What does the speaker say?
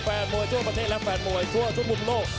แฟนมวยทั่วประเทศและแฟนมวยทั่วทุกมุมโลก